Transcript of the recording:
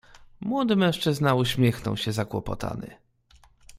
"Młody mężczyzna, uśmiechnął się zakłopotany."